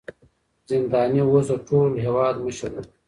زنداني اوس د ټول هېواد مشر و.